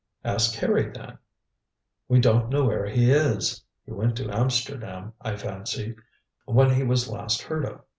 "Ask Harry, then?" "We don't know where he is. He went to Amsterdam, I fancy, when he was last heard of.